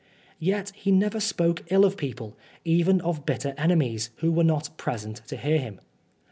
Yet he never spoke ill of people, even of bitter enemies, who were not present to hear him.